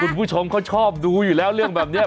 คุณผู้ชมเขาชอบดูอยู่แล้วเรื่องแบบนี้